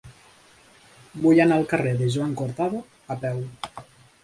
Vull anar al carrer de Joan Cortada a peu.